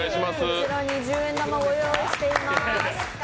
こちらに十円玉をご用意しています。